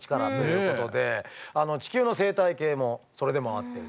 地球の生態系もそれで回っていると。